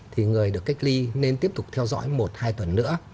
thì người được cách ly nên tiếp tục theo dõi một hai tuần nữa